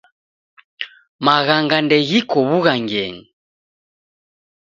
Maghanga ndeghiko w'ughangenyi.